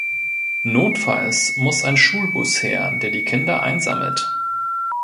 Notfalls muss ein Schulbus her, der die Kinder einsammelt.